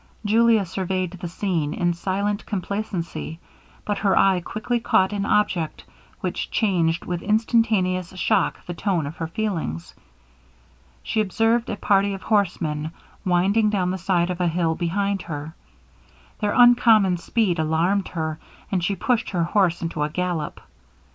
Julia surveyed the scene in silent complacency, but her eye quickly caught an object which changed with instantaneous shock the tone of her feelings. She observed a party of horsemen winding down the side of a hill behind her. Their uncommon speed alarmed her, and she pushed her horse into a gallop.